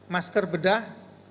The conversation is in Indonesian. enam masker bedah